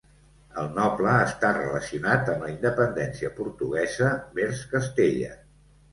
El noble està relacionat amb la independència portuguesa vers Castella.